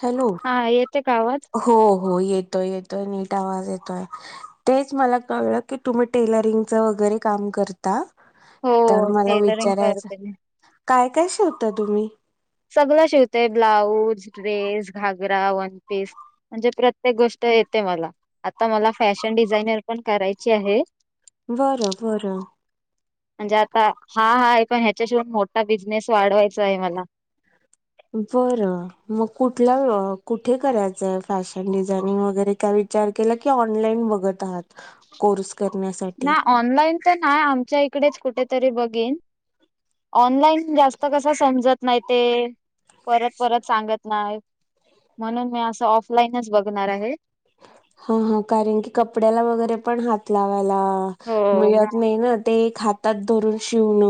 Hello! हा येते का आवाज? हो हो येतोय येतोयं. येत तेच मला कळ की तुम्ही टेलरिंग वगैरे काम करता? हो तर मला टेलरिंग विचारायचं, करते मी. काय काय शिवता तुम्ही? सगळ शिवते. ब्लाऊज, ड्रेस, घागरा, वनपीस म्हणजे, प्रत्येक गोष्ट तर येते मला आता मला फॅशन डिझायनर पण करायची आहे. बरं बरं. म्हणजे आता हा हा आहे. पण ह्याच्या शी पण मोठा बिजनेस वाढवायचा आहे. मला. बरं मग कुठला कुठ? कुठे करायचंय फॅशन डिझायनिंग वगैरे, काय विचार केला की, ऑनलाईन बघत आहात. कोर्स ना करण्यासाठी ऑनलाईन तर नाही, आमच्या इकडेच कुठेतरी बघेन. ऑनलाईन जास्त कसा समजत नाही, ते परत परत सांगत नाही. म्हणून मी असं ऑनलाईन हा हा कारण, की कपड्याला वगैरे पण हात लावायला. हो म मिळत नाही, ना ते हातात धरून शिवण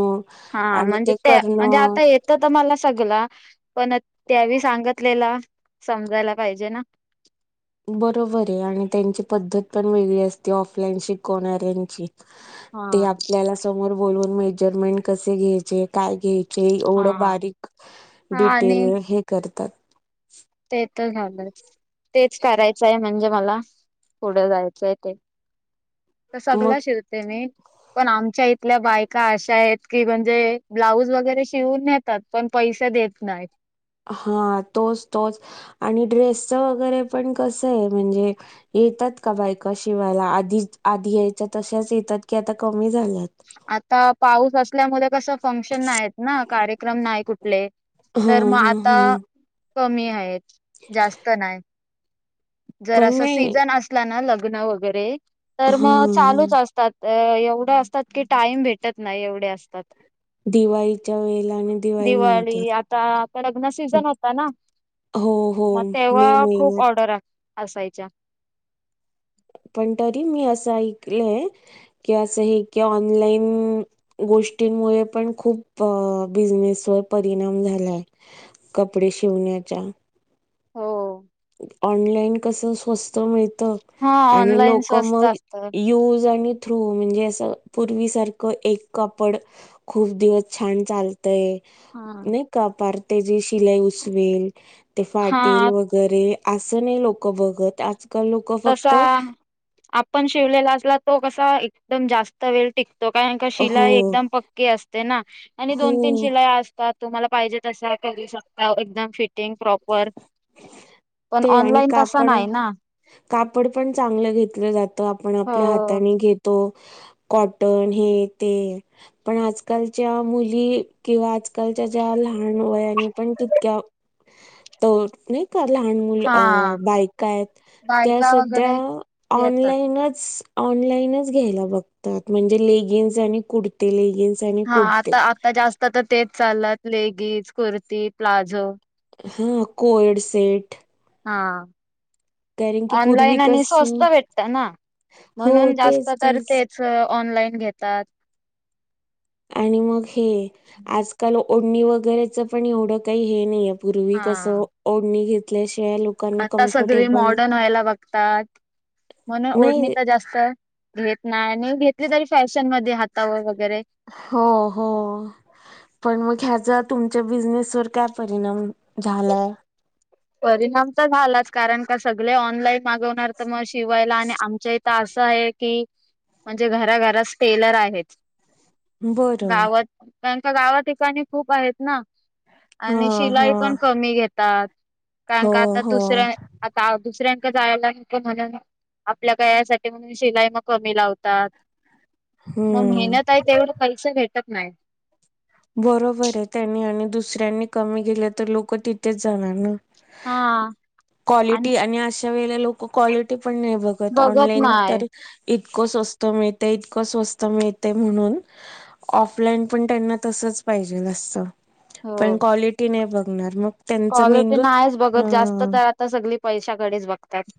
हा म्हणजे, ते म्हणजे आता येतं तर मला सगला पण त्यावी सांगतलेला समजायला पाहिजे ना. बरोबर आहे. आणि त्यांची पद्धत पण वेगळी असते. ऑफलाईन शिकवणाऱ्यांची. ते हा आपल्याला समोर बोलून मेजरमेंट कसे घ्यायचे काय घ्यायचे? एवढं हा. बारीक हा डिटेल आणि हे करतात. ते तर झालं तेच करायचंय म्हणजे, मला पुढं जायचंय ते तर मग सगळं शिवते. मी पण आमच्या इथं आपल्या बायका अशा आहेत, की म्हणजे ब्लाऊज वगैरे शिवून नेतात. पण पैसे देत नाहीत. हा तोच तोच आणि ड्रेसच वगैरे पण कस आहे म्हणजे येतात का बायका शिवायला आधी आधी यायच्या तशाच येतात, की आता कमी झाल्यात. आता पाऊस असल्यामुळे कस फंक्शन नाहित ना कार्यक्रम नाही कुठलं? हा तर मग हा आता. हा कमी आहेत जास्त नाही, जर पण अस नाही सीझन असला ना वगैरे तर हा मग चालूचं आसतात. तर एवढं असतात. की टाईम भेटत नाही, एवढे आसतात. दिवाळीच्या वेळेला आणि नंतर दिवाळी आता आता लग्न सीझन होत ना. हो हो मग मे तेव्हा महिन्यात खूप ऑर्डर असायच्या. पण तरी मी असं ऐकलंय की अस हे क ऑनलाईन गोष्टीमुळे पण खूप बिझनेस परिणाम झालाय कपडे शिवाय [unintelligible] हो. ऑनलाईन कस स्वस्त मिळत. हा आणि ऑनलाईन लोक स्वस्त मग असत यूज आणि थ्रू म्हणजे अस पूर्वीसारखं एक कापड खूप दिवस छान चालत. ते हा नाही, का पार ते जे शिलाई उसवेल ते फाटेल हा वर असे, असं नाही लोक बघत आजकाल लोक फक्त पण शिवलेला असला, तो कसा एकदम जास्त वेळ टिक त काय का हो शिलाई एकदम पक्की असते, ना आणि हो दोन तीन शिलाई असतात. तुम्हाला पाहिजे, तसं करू शकता. एकदम फिटिंग प्रॉपर पण ते आणि ऑनलाईन तसं कापड नाही ना कापड पण चांगलं घेतलं जातं. आपण हो आपल्या हाताने घेतो. कॉटन हे ते पण आजकालच्या मुली किंवा आजकालच्या ज्या लहान वयाने पण तितक्या नाही का लहान मुल हा बायका आहेत. त्या बायका सध्या वगैरे येतात ऑनलाईनच ऑनलाईनचं घ्यायला बघतात म्हणजे लेगिन्स आणि कुर्ती लेगिन्स आणि हा कुडते आता आता जास्त तर तेच चाल्यात लेगीस कुर्ती, प्लाझो हा कोयड सेट हा. कारण की पूर्वी ऑनलाईन आणि स्वस्त कसं भेटत ना हो म्हणून जास्त तेच तर तेच तेचं ऑनलाइन घेतात. आणि मग हे आजकाल ओढणी वगरेच पण एवढं काही हे नाइ पूर्वी हा कसं ओढणी घेतल्या शि आता सगळी मॉडर्न व्हायला बघतात म्हणून ओढणी नाही त जास्त घेत नाई घेतली तरी फॅशन मध्ये हातावर वग हो हो पण मग हेच्यात तुमच्या बिझनेस वर काय परिणाम झालाय? परिणाम तर झालाचं कारण का सगळे ऑनलाईन मागवणार तर मग शिवायला आणि आमच्या इथं असाय की म्हणजे घरा घरास टेलर आहेत. बरं गावात तेच्या गावात ठिकाणी खूप आहेत ना हा आणि शिलाई हा कमी घेतात कारण हो का आता हो दुसऱ्या आता दुसऱ्या का जायला नको म्हणून आपल्या का या साठी म्हणून शिलाई म कमी लावतात. म हम्म मेहनत हाय तेवढं पैसे भेटत नाइत. बरोबरहें त्यांनी आणि दुसऱ्यांनी कमी केेले तर लोक तिथेचं जाणार ना. हा. क्वालिटी आणि अशा वेळेला लोक क्वालिटी पण नाइ बघत ऑनलाईन तर इतक स्वस्त मिळतंय इतकं स्वस्त मिळतंय म्हणून, ऑफलाईन पन त्यांना तसच पाहिजे नस्स पण हो क्वालिटी नाही बघणार मग त्यांचा क्वालिटी मेंदूच नाहीच बघत जास्त हा तर आता सगळी पैशाकडेच बघतात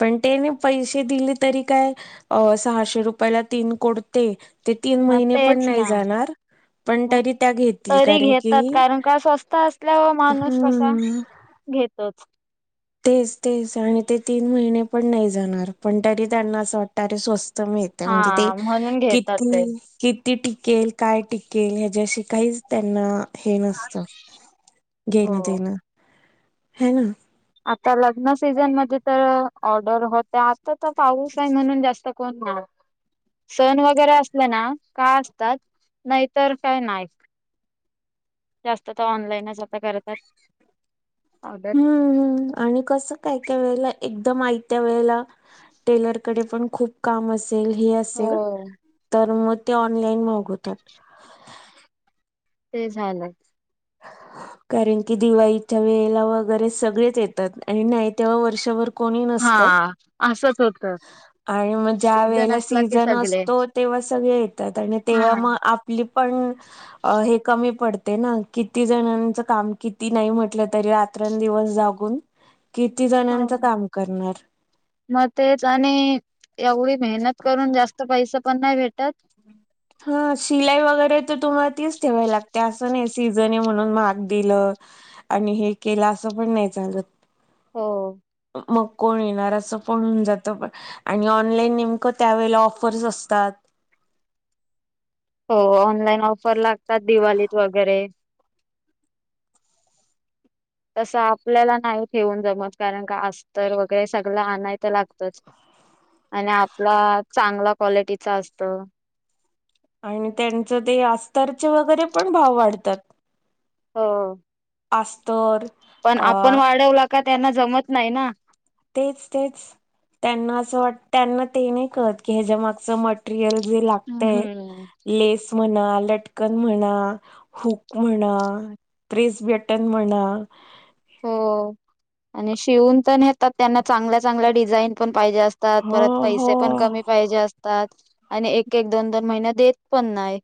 पण त्याने पैसे दिले तरी काय अं सहाशे रुपयाला तीन कोड ते ते तीन महिने पण तेच नाही ना जाणार पण मग तरी त्या घेतील तरी कारण की घेतात कारण का स्वस्त असल्यावर माणूस कसा हा घेतोच तेच तेच आणि ते तीन महिने पण नाही जाणार पण तरी त्यांना असं वाटतं अरे स्वस्त कमी त्या म्हणजे ते हा म्हणून घेतात ते किती की ती टिकेल काय टिकेल ह्याच्याशी काहीच त्यांना हे नसत हो घेणं देणं ह ना आता लग्न सीझन मध्ये तर ऑर्डर होत आता तर पाऊस आहे म्हणून जास्त कोण सण वगैरे असले ना, का असतात नाहीतर काय नाय जास्त तर ऑनलाईनच आता करतात ऑर्डर हम्मम् आणि कस काय काय वेळेला एकदम आयत्या वेळेला टेलर कडे पण खूप काम असेल हे असेल हो तर मग ते ऑनलाईन मागवतात ते झालंच ह कारण की दिवाळीच्या वेळेला वगैरे सगळेच येतात आणि नाही तेव्हा वर्षभर कुणी हा नसतं. असंच होत आणि मग ज्या सीझन वेळेला असला की सिझन सगळे असतो तेव्हा सगळे येतात तेव्हा हा मग आपली पण अं हे कमी पडते ना किती जणांच काम किती नाही म्हटलं तरी रात्रंदिवस जागून किती जणांचं काम करणार मग तेच आणि एवढी मेहनत करून जास्त पैसा पण नाही भेटत हा शिलाई वगैरे तुम्हाला तीच ठेवावी लागते असा नाय सिझन आहे म्हणून महाग दिला आणि हे केला असा पण नाही चालत हो मग कोण येणार असं पण होऊन जातं पण आणि ऑनलाईन नेमकं त्यावेेळेला ऑफर्स असतात. [inaudible] हो ऑनलाईन ऑफर लागतात दिवाळीत वगैरे तसं आपल्याला नाही ठेवून जमत कारण का अस्तर वगैरे सगळ आणाय तर लागतच आणि आपला चांगला क्वालिटीचा असत आणि त्यांचं ते अस्तरचे वगैरे पण भाव वाढतात. हो. अस्तर पण अ आपण वाढवला का त्यांना जमत नाही ना. तेच तेच त्यांना असं वाटत त्यांना ते नाही करत की ह्याच्या माग मटेरियल जे लागतंय, हम्म लेस म्हणा लटकन म्हणा, हूक म्हणा, प्रेस बटन म्हणा, हो आणि शिवून पण येतात त्यांना चांगल्या चांगल्या डिझाईन पण पाहिजे असतात, हो परत हो पैसे पन कमी पाहिजे असतात. आणि एकेक दोन दोन महिन्यात देत पण नाही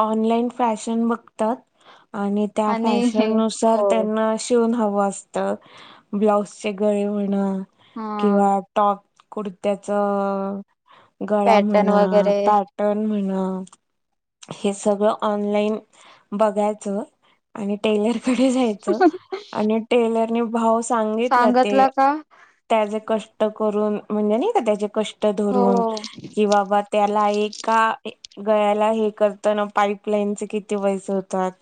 ऑनलाइन फॅशन बघतात आणि त्या आणि हे फॅशन नुसार हो त्यांना शिवून हवं असतं. ब्लाउज चे गळे म्हणा, हा किंवा टॉप कुडत्याच गळा पॅटर्न म्हणा, वगैरे पॅटर्न म्हणा हे सगळं ऑनलाइन बघायचं आणि टेलर कडे जायचं आणि टेलर ने भाव सा सांगितलं ते सांगतला का त्याच्या कष्ट करून म्हणलं नाइ का त्याचे कष्ट धरून हो कि बात त्याला एका गळ्याला हे करताना पाईपलाईनचे किती पैसे होतात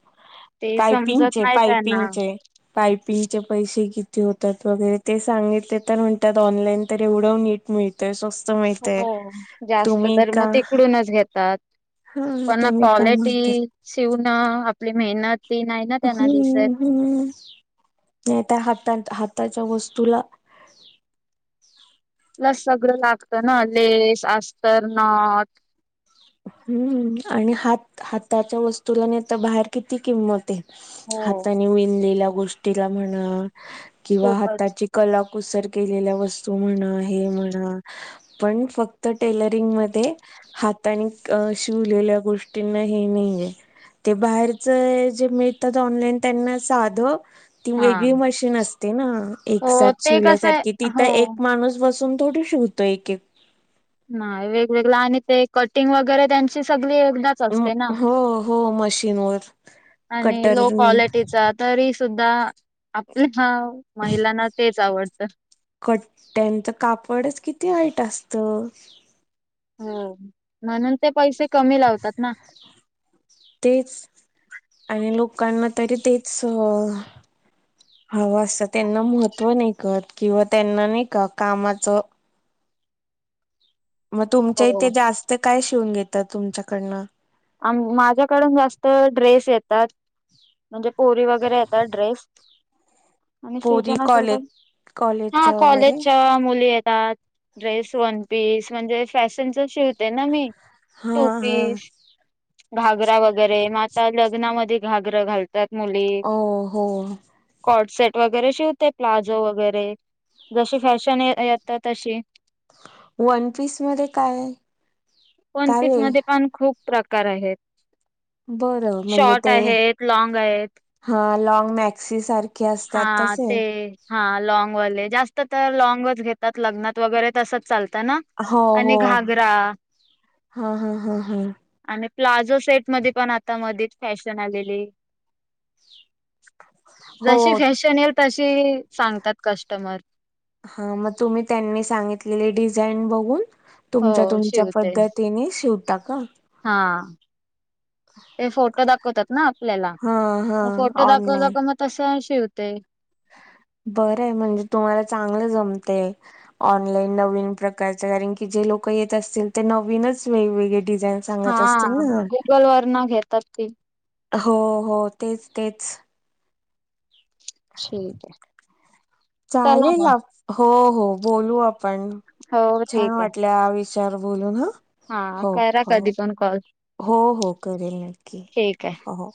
ते समजत पायपिंगचे नाही त्यांना पायपिंगचे पायपिंगचे पैसे किती होतात वगरे ते सांगितले तर म्हणतात ऑनलाईन तर एवढं नीट मिळते सौस हो जास्त तर म तिकडूनचं घेतात. हा पण तुम्ही का क्वालिटी म्हणता शिवूनं आपली मेहनत ती नाही ना त्यांना दिसत. हम्म हम्म [unintelligible] त्याच्या वस्तूला लस सगळं लागतना लेस, अस्तर, नाथ हम्म आणि हात हातांच्या वस्तूला नि आता बाहेर किती किंमते. हो हाताने विणलेल्या गोष्टीला म्हणा किंवा खूपच हाताची कला कुसर केलेल्या वस्तू म्हणा हे म्हणा पण फक्त टेलरिंग मध्ये हातने अं शिवलेल्या गोष्टींना हे नाहीये ते बाहेरचं जे मिळतात ऑनलाईन त्यांना साध ती हा वेगळी मशीन असते ना एक हो साथ ते कसं शिवल्यासारखी आहे तिथं एक हो. माणूस बसून थोडशी हुतो एक एक नाइ वेगवेगळ आणि ते कटिंग वगरे त्यां सगळे एकदाचं अं, असते ना. हो हो मशीनवर आणि लो कटरनी क्वालिटीचा तरी सुद्धा आपल्या हा महिलांना तेच आवडतं कट्ट्यांच कापडचं किती वाईट असत. हो म्हणून ते पैसे कमी लावतात ना तेच आणि लोक कांना तरी तेच हवं असं त्यांना महत्व नाइ कर किंवा त्यांना नाइ का कामाचं म तुमच्या हो. इथे जास्त काय शिवून घेतात तुमच्याकडनं आ म माझ्याकडूनं जास्त ड्रेस येतात. म्हणजे पोरी वगरे येतात ड्रेस आणि पोरी सीझन असेल तर कॉलेज हा कॉलेजच्या वगैरे कॉलेजच्या मुली आहेत ड्रेस वन पीस म्हणजे फॅशनच श ना मी हा टू हा पीस घागरा वगैरे मग आता लग्नामध्ये घागर घालतो मु ओ हो वगैरे शिवते प्लाझो वगैरे जशी फॅशन येत तशी वनपीस मध्ये काय आहे पनपीस मध्ये पण खूप प्रकार आहेत बर म्हणजे शॉर्ट ते आहेत लॉंग आहेत ह लंग मॅक्सी स हा ते हा लॉगवाले जास्त तर लँंगच घेतात लग्नात वगैरे तसंच चालत ना हो आणि हो घागरा हा हा हा हा आणि प्लाझो सेट मध्ये पण आता मध्येच फॅशन आलेले ह जशी फॅशनल हा मग तुम्ही त्यांनी सांगितले बघून हो तुमच्या तुमच्या शिवते पद्धतीने शिवता का हा ते फोटो दाखवतात ना आपल्याला हा हा मग फोटो दाखव दाखव मग तसं शिवते ह बर म्हणजे तुम्हाला चांगलं जमते ऑनलाईन नवीन प्रकारच कारण की ज लोक येत असतील ते नवीनच वेगवेगळे डिझाईन हा सांगत असतील ना गुगल वर न घेतात ती हो हो तेच तेच, ठीक आहे चला चालेल मग हो हो बोलू आपण हो छान ठीक आहे. वाटल्या ह विचार बोलून ह हा हो करा हो कधी पण कॉल हो हो करेल नक्की ठीक आहे. हो